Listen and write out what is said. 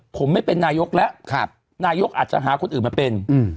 ผมไม่เป็นนายกแล้วนายกอาจจะหาคนอื่นมาเป็น